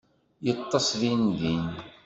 Yeṭṭes din din.